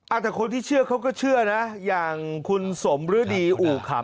แต่คนที่เชื่อเขาก็เชื่อนะอย่างคุณสมฤดีอู่ขำ